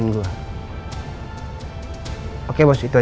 yang satunya mencoba mengikuti gue